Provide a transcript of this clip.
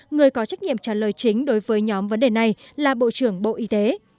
người có trách nhiệm trả lời chính đối với nhóm vấn đề này là bộ trưởng bộ y tế